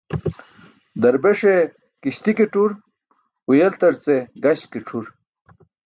Darbeṣe kiśti ke tur, huyaltarce gaśk ke c̣ʰur.